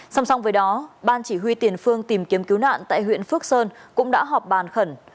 song song với đó ban chỉ huy tiền phương tìm kiếm cứu nạn tại huyện phước sơn cũng đã họp bàn khẩn